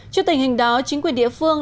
trước tình hình đó chính quyền địa phương